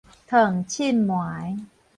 熥凊糜